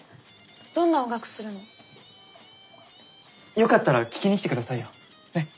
よかったら聴きに来て下さいよねっ。